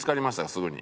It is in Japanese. すぐに。